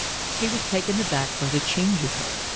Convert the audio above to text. He was taken aback by the change in her.